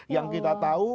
yang kita tahu